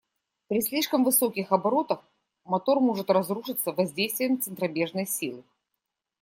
При слишком высоких оборотах мотор может разрушиться воздействием центробежной силы.